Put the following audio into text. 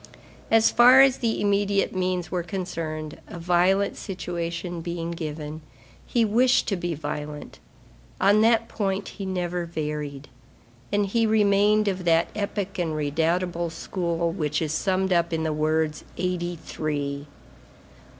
As far as the immediate means were concerned, a violent situation being given, he wished to be violent; on that point, he never varied; and he remained of that epic and redoubtable school which is summed up in the words: "Eighty three."